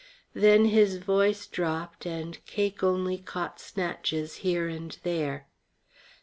Then his voice dropped and Cake only caught snatches here and there.